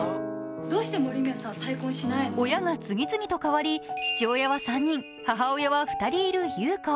親が次々と代わり、父親は３人、母親は２人いる優子。